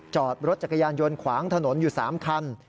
จอดรถจักรยานยนต์ขวางถนนอยู่๓คัน